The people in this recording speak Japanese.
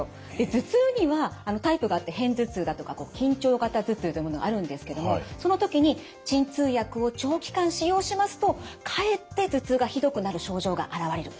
頭痛にはタイプがあって片頭痛だとか緊張型頭痛というものがあるんですけどもその時に鎮痛薬を長期間使用しますとかえって頭痛がひどくなる症状が現れる。